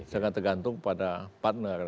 sangat tergantung pada partner